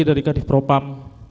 dari kadif propam